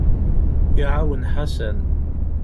Iɛawen Ḥasan.